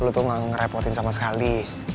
lu tuh gak ngerepotin sama sekali